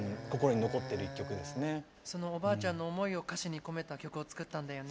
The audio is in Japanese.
そのおばあちゃんの思いを歌詞に込めた曲を作ったんだよね。